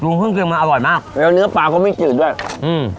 เครื่องเคียมาอร่อยมากแล้วเนื้อปลาก็ไม่จืดด้วยอืม